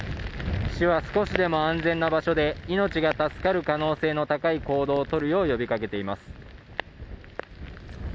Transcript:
市は少しでも安全な場所で、命が助かる可能性が高い行動を取るよう呼びかけています。